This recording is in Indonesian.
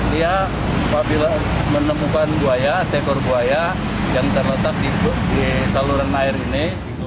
dia menemukan buaya seekor buaya yang terletak di saluran air ini